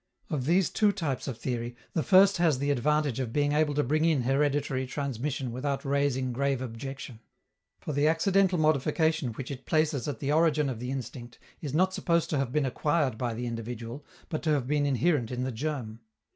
Of these two types of theory, the first has the advantage of being able to bring in hereditary transmission without raising grave objection; for the accidental modification which it places at the origin of the instinct is not supposed to have been acquired by the individual, but to have been inherent in the germ.